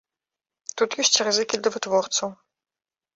Тут ёсць рызыкі для вытворцаў.